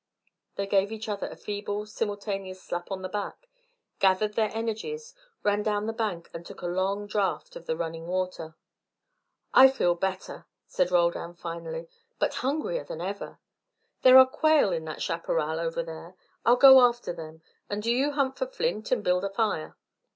They gave each other a feeble simultaneous slap on the back, gathered their energies, ran down the bank, and took a long draught of the running water. "I feel better," said Roldan, finally, "but hungrier than ever. There are quail in that chaparral over there. I'll go after them, and do you hunt for flint and build a fire."